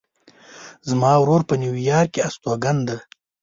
زما ورور په نیویارک کې استوګن ده